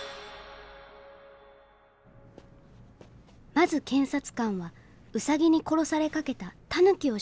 まず検察官はウサギに殺されかけたタヌキを証人に呼んだ。